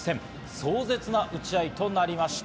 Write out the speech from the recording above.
壮絶な打ち合いとなりました。